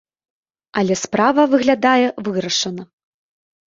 Але справа, выглядае, вырашана.